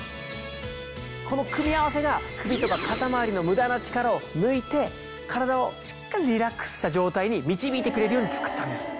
この組み合わせが首とか肩回りの無駄な力を抜いて体をしっかりリラックスした状態に導いてくれるように作ったんです。